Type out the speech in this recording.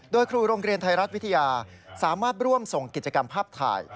โดยครูโรงเรียนไทยรัฐวิทยาสามารถร่วมส่งกิจกรรมภาพถ่าย